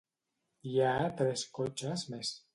Hi ha tres cotxes més.